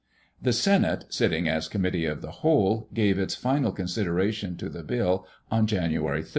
] The Senate, sitting as Committee of the Whole, gave its final consideration to the bill on January 30.